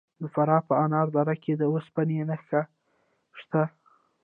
د فراه په انار دره کې د وسپنې نښې شته.